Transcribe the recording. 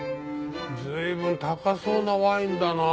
随分高そうなワインだな。